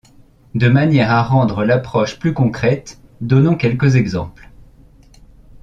De manière à rendre l'approche plus concrète, donnons quelques exemples.